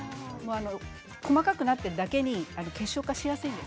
細かくなっているだけに結晶化しやすいんです